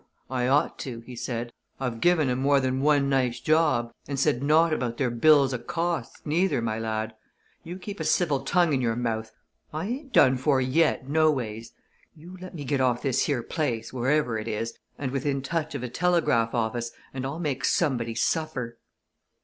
"I ought to," he said. "I've given 'em more than one nice job and said naught about their bills o' costs, neither, my lad. You keep a civil tongue in your mouth I ain't done for yet, noways! You let me get off this here place, wherever it is, and within touch of a telegraph office, and I'll make somebody suffer!"